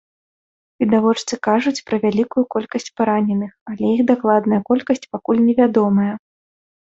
Відавочцы кажуць пра вялікую колькасць параненых, але іх дакладная колькасць пакуль невядомая.